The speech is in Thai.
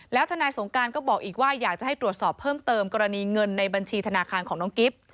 แล้วทนายสงการก็บอกอีกว่าอยากจะให้ตรวจสอบเพิ่มเติมกรณีเงินในบัญชีธนาคารของน้องกิฟต์